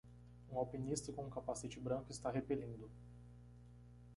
Um alpinista com um capacete branco está repelindo.